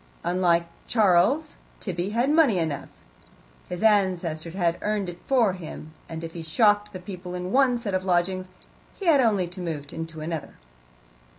Unlike Charles, Tibby had money enough; his ancestors had earned it for him, and if he shocked the people in one set of lodgings he had only to move into another.